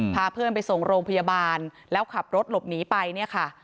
พาเพื่อนไปส่งโรงพยาบาลแล้วขับรถหลบหนีไปเนี่ยค่ะ